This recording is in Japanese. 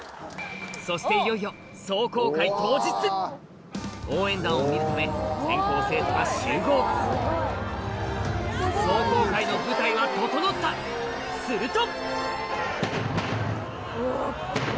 そしていよいよ応援団を見るため全校生徒が集合壮行会の舞台は整ったすると！